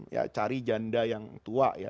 ya cari janda yang tua ya